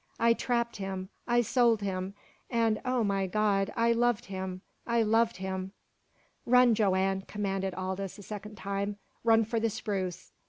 I trapped him! I sold him! And, oh, my God, I loved him I loved him!" "Run, Joanne!" commanded Aldous a second time. "Run for the spruce!"